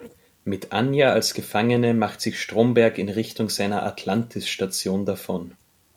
Mit Anya als Gefangene macht sich Stromberg in Richtung seiner "Atlantis"-Station davon.